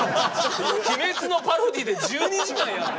「鬼滅」のパロディーで１２時間やって。